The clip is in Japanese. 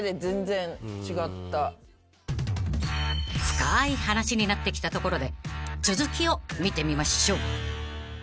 ［深い話になってきたところで続きを見てみましょう］